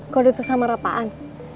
kode tersamar apaan